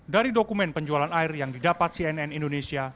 dari dokumen penjualan air yang didapat cnn indonesia